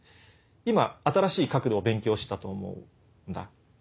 今新しい角度を勉強したと思うんだ。